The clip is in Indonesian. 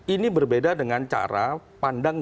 ini berbeda dengan cara pandang